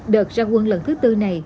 đợt ra quân lần thứ tư này